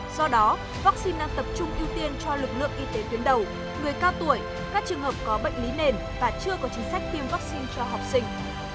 do đó vaccine đang tập trung ưu tiên cho lực lượng y tế tuyến đầu người cao tuổi các trường hợp có bệnh lý nền và chưa có chính sách tiêm vaccine cho học sinh